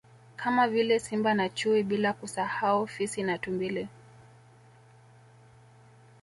Kama vile Simba na Chui bila kusahau Fisi na Tumbili